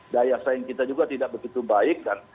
daya saing kita juga tidak begitu baik kan